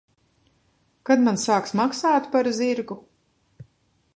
Kad man sāks maksāt par zirgu?